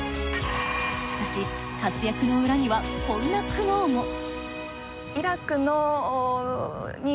しかし活躍の裏にはこんな苦悩も。